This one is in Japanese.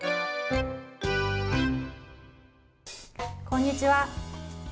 こんにちは。